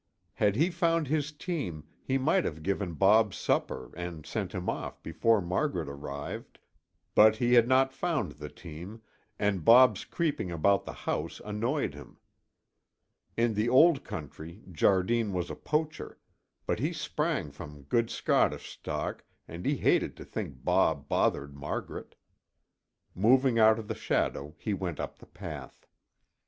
Had he found his team, he might have given Bob supper and sent him off before Margaret arrived, but he had not found the team and Bob's creeping about the house annoyed him. In the Old Country Jardine was a poacher, but he sprang from good Scottish stock and he hated to think Bob bothered Margaret. Moving out of the shadow, he went up the path.